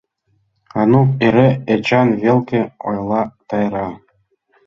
— Анук эре Эчан велке, — ойла Тайра.